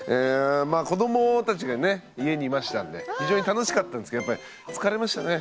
まあ子どもたちがね家にいましたんで非常に楽しかったんですけどやっぱり疲れましたね